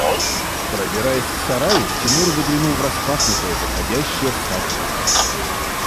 …Пробираясь к сараю, Тимур заглянул в распахнутое, выходящее в сад окно.